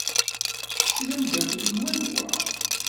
Kečč d ameddakel n wanwa?